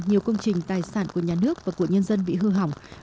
nhiều công trình tài sản của nhà nước và của nhân dân bị hư hỏng